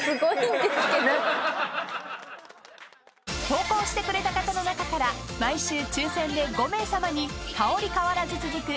［投稿してくれた方の中から毎週抽選で５名さまに香り変わらず続く